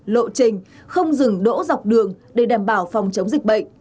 lộ trình không dừng đỗ dọc đường để đảm bảo phòng chống dịch bệnh